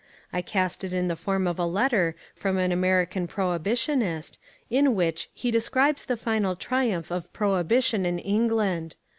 I cast it in the form of a letter from an American prohibitionist in which he describes the final triumph of prohibition in England.